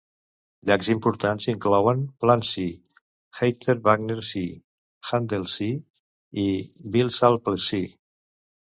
Llacs importants inclouen Plansee, Heiterwanger See, Haldensee i Vilsalpsee.